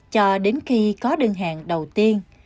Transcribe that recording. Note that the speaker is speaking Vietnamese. cho đến khi có đơn hàng đầu tiên